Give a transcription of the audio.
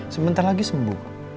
sebentar lagi sembuh